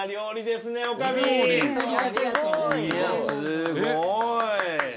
すごい。